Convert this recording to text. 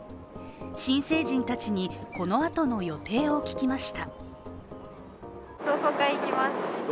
新成人たちに、このあとの予定を聞きました。